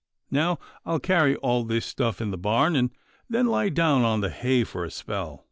Now I'll carry all this stuff in the barn, and then lie down on the hay for a spell.